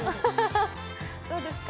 どうですか？